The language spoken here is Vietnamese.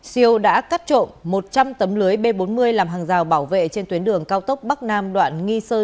siêu đã cắt trộm một trăm linh tấm lưới b bốn mươi làm hàng rào bảo vệ trên tuyến đường cao tốc bắc nam đoạn nghi sơ